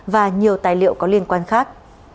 và nhiều tài liệu có liên quan khác